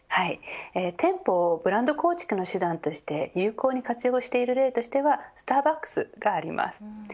店舗をブランド構築の手段として、有効に活用している例としてはスターバックスがあります。